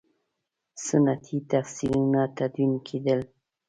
سنتي تفسیرونه تدوین کېدل.